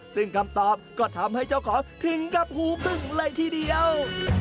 ซึ่งคำตอบก็ทำให้เจ้าของคึงกับหูพึ่งเลยทีเดียว